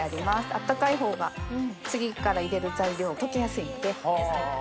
温かい方が次から入れる材料が溶けやすいので。